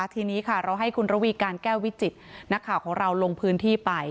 ทีนี้ค่ะเราให้คุณระวีการแก้ววิจิตนักข่าวของเราลงพื้นที่ไป